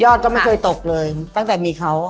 ยอดก็ไม่ค่อยตกเลยตั้งแต่มีเขา